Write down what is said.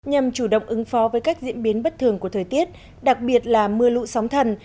nhằm chủ động ứng phó với các diễn biến bất thường của thời tiết đặc biệt là mưa lũ sóng thần